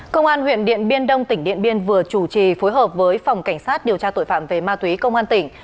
công an huyện điện biên đông tỉnh điện biên vừa chủ trì phối hợp với phòng cảnh sát điều tra tội phạm về ma túy công an tỉnh